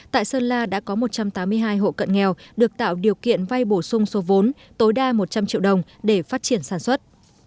tại sơn la đã có một trăm tám mươi hai hộ cận nghèo được tạo điều kiện vay bổ sung số vốn tối đa một trăm linh triệu đồng để phát triển sản xuất